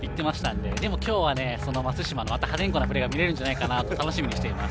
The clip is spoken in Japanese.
でも今日は松島の破天荒なプレーがまた見れるんじゃないかなと楽しみにしています。